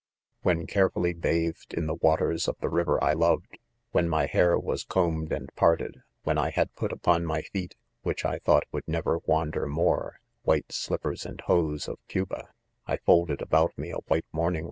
'.When .carefully bathed in the waters of the liver I loved,, when my hair, was combed . and parted,, when I haclpat upon my feet, which I thought would never wander more, white slip pers and; hose of Cuba, I folded about me a white morning